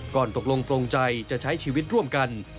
ตกลงโปรงใจจะใช้ชีวิตร่วมกัน